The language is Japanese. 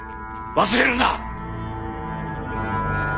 忘れるな！